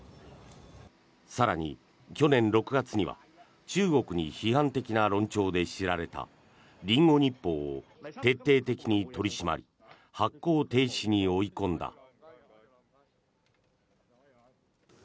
更に、去年６月には中国に批判的な論調で知られたリンゴ日報を徹底的に取り締まり発行停止に追い込んだ。